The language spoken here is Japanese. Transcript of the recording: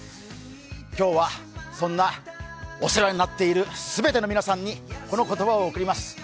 今日はそんなお世話になっている全ての皆さんにこの言葉を贈ります。